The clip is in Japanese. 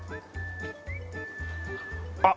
あっ！